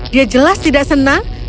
dia jelas tidak senang